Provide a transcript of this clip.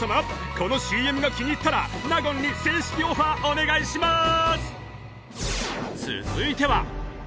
このＣＭが気に入ったら納言に正式オファーお願いしまーす！